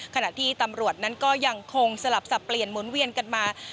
ขณะที่ตำรวจนั้นก็ยังคงสลับสับเปลี่ยนหมุนเวียนกันมา